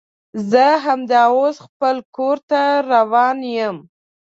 زه همدا اوس خپل کور ته روان یم